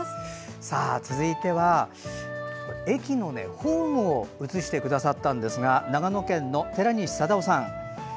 続いては、駅のホームを写してくださったんですが長野県の寺西定雄さん。